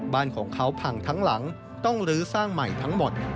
บ้านของเขาพังทั้งหลังต้องลื้อสร้างใหม่ทั้งหมด